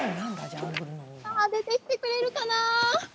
出てきてくれるかな？